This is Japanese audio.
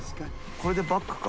これでバックか？